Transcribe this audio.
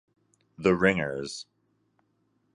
The ringers.